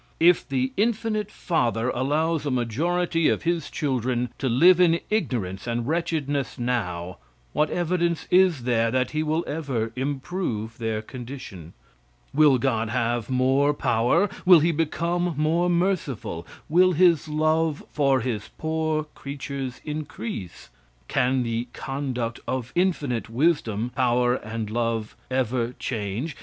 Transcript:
If the infinite Father allows a majority of his children to live in ignorance and wretchedness now, what evidence is there that he will ever improve their condition? Will god have more power? Will he become more merciful? Will his love for his poor creatures increase? Can the conduct of infinite wisdom, power and love ever change?